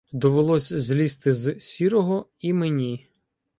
Довелося злізти з сірого і мені.